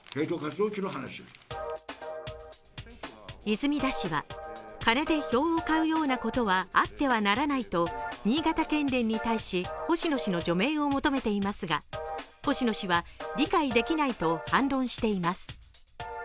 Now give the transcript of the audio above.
泉田氏は、金で票を買うようなことはあってはならないと新潟県連に対し、星野氏の除名を求めていますが、星野氏は理解できないと反論しています。